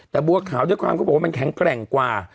แต่บัวขาวด้วยความเขาบอกว่ามันแข็งแกร่งกว่า